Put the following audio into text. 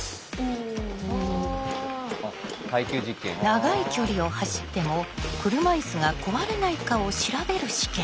長い距離を走っても車いすが壊れないかを調べる試験。